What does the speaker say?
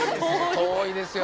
遠いですよね。